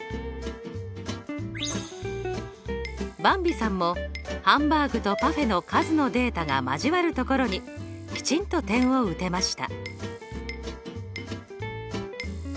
ばんびさんもハンバーグとパフェの数のデータが交わるところにきちんと点を打てました。